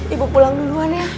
ibu pulang duluan ya